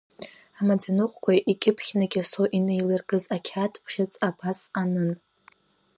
Амаӡаныҟәгаҩ икьыԥхьны Кьасоу инаилыркыз ақьаад бӷьыц абас анын…